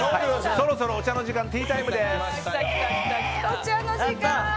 そろそろお茶の時間ティータイムです。